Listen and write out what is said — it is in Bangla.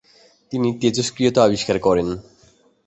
তিনি তেজস্ক্রিয়তা আবিষ্কার করেন।